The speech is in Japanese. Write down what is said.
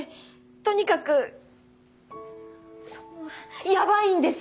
とにかくそのヤバいんです！